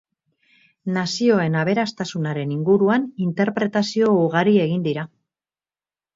Nazioen aberastasunaren inguruan interpretazio ugari egin dira.